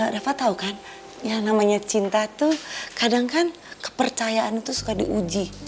rafa tahu kan yang namanya cinta tuh kadang kan kepercayaan itu suka diuji